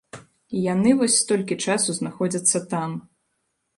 І яны вось столькі часу знаходзяцца там.